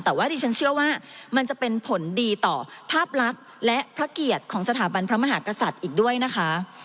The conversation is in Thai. แต่ว่าดิฉันเชื่อว่ามันจะเป็นผลดีต่อภาพลักษณ์และพระเกียรติของสถาบันพระมหากษัตริย์อีกด้วยนะคะ